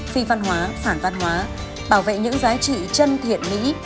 phi văn hóa phản văn hóa bảo vệ những giá trị chân thiện mỹ